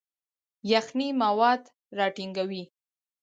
یخنۍ مواد راټیټوي.